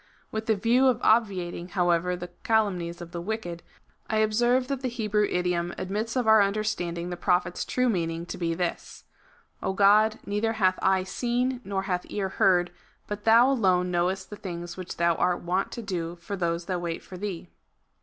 With the view of obviating, however, the calumnies of the wicked, I observe tliat the Hebrew idiom admits of our understanding the Prophet's true meaning to be this :" God, neither hath eye seen, nor hath ear heard : but thou alone knowest the things which thou art wont to do to those that wait for thee."